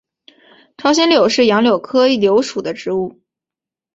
朝鲜柳是杨柳科柳属的植物。